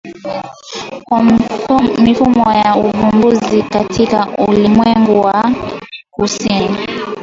Kwa mifumo ya uvumbuzi katika Ulimwengu wa Kusini.